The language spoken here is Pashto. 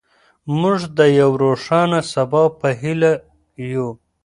موږ د یو روښانه سبا په هیله یو.